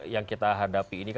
yang kita hadapi ini